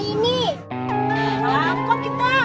alam kok kita